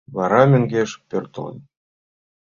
Вара мӧҥгеш пӧртылын.